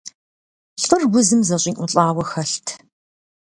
Лӏыр узым зэщӏиӏулӏауэ хэлът.